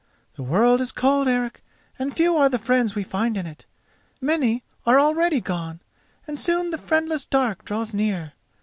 The world is cold, Eric, and few are the friends we find in it; many are already gone, and soon the friendless dark draws near.